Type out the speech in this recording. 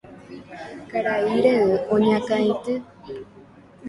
Karai rey oñakãity.